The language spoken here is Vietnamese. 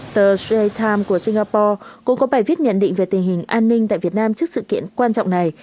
tờ spa times của singapore cũng có bài viết nhận định về tình hình an ninh tại việt nam trước sự kiện quan trọng này